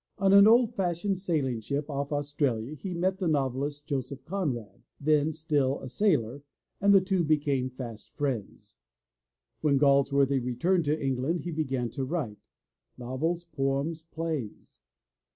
On an old fashioned sailing ship off Australia he met the novelist, Joseph Conrad, then still a sailor, and the two became fast friends. When Galsworthy returned to England he began to write, — novels, poems, plays.